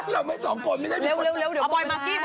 เราไม่๒คนไม่ได้มีคนตาม